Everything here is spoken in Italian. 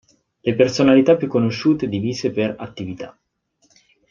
Le personalità più conosciute divise per attività.